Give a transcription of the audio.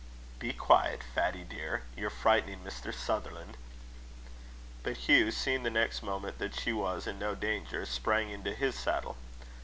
"Be quiet, Fatty dear; you're frightening Mr. Sutherland." But Hugh, seeing the next moment that she was in no danger, sprang into his saddle.